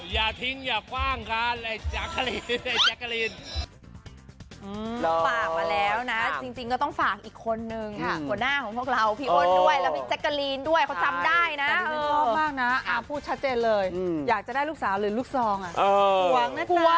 อย่าทิ้งอย่ากว้างครับไอ้จักรีน